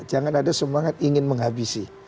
jangan ada semangat ingin menghabisi